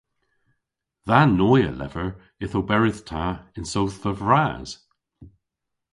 Dha noy a lever yth oberydh ta yn sodhva vras.